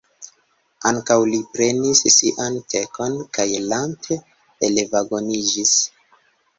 Ankaŭ li prenis sian tekon, kaj lante elvagoniĝis.